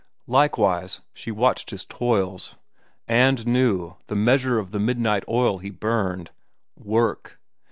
Likewise she watched his toils, and knew the measure of the midnight oil he burned. Work!